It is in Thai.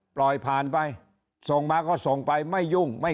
ปล่อยผ่านไปส่งมาก็ส่งไปไม่ยุ่งไม่